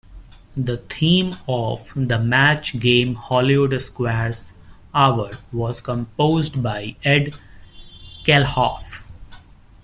The theme of "The Match Game-Hollywood Squares Hour" was composed by Edd Kalehoff.